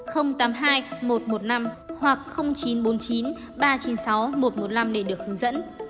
hoặc chín trăm bốn mươi chín ba trăm chín mươi sáu một trăm một mươi năm để được hướng dẫn